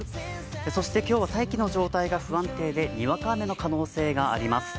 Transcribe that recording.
そして、今日は待機の状態が不安定でにわか雨の可能性があります。